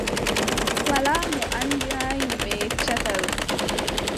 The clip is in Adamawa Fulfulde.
Walaa mo a anndi, haa ƴimɓe yeccata ɗo,